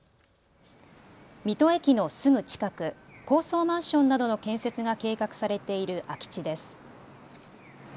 水戸駅のすぐ近く、高層マンションなどの建設が計画されている空き地です。